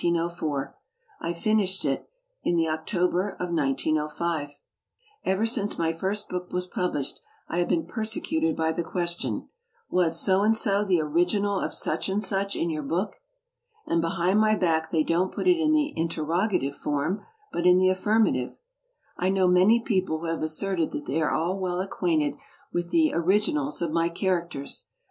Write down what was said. I finished it in the October of 1905. Ever since my first book was published I have been persecuted by the question "Was so and so the original of such and such in your book.'" And behind my back they don't put it in the interrogative form, but in the affirmative. I know many people who have asserted that they are well acquainted with the "originals" of my characters.